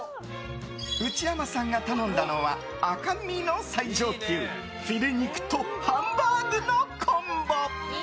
内山さんが頼んだのは赤身の最上級フィレ肉とハンバーグのコンボ！